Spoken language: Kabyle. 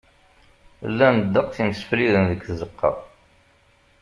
Llan ddeqs imsefliden deg tzeqqa.